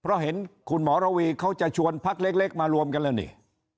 เพราะเห็นคุณหมอระวีเขาจะชวนพักเล็กมารวมกันแล้วนี่